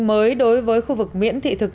mới đối với khu vực miễn thị thực